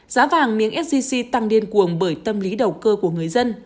giá vàng miếng sgc tăng điên cuồng bởi tâm lý đầu cơ của người dân